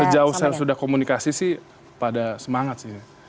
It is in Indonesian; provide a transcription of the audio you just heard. sejauh saya sudah komunikasi sih pada semangat sih